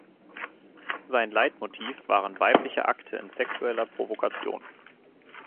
Sein Leitmotiv waren weibliche Akte in sexueller Provokation.